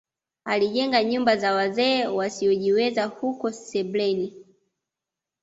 Alijenga nyumba za wazee wasiojiweza huko sebleni